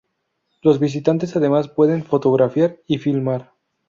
Los visitantes además pueden fotografiar y filmar.